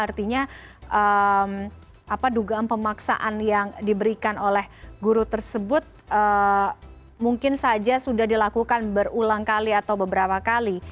artinya dugaan pemaksaan yang diberikan oleh guru tersebut mungkin saja sudah dilakukan berulang kali atau beberapa kali